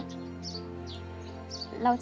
ออกไปเลย